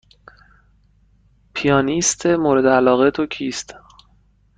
پیانیست مورد علاقه تو کیست؟